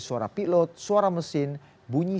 suara pilot suara mesin bunyi